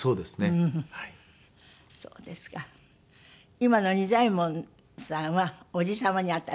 今の仁左衛門さんは叔父様にあたる。